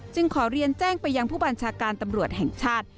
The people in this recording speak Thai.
ขอเรียนแจ้งไปยังผู้บัญชาการตำรวจแห่งชาติ